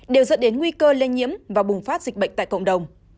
đều dẫn đến nguy cơ lây nhiễm và bùng phát dịch bệnh tại cộng đồng